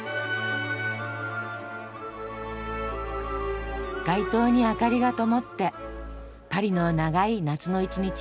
街灯に明かりがともってパリの長い夏の一日ももうすぐ終わり。